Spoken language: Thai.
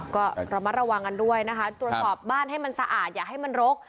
ก็ระมัดระวังกันด้วยนะคะตรวจสอบบ้านให้มันสะอาดอย่าให้มันรก